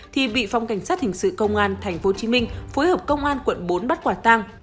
thì bị phòng cảnh sát hình sự công an tp hcm phối hợp công an quận bốn bắt quả tang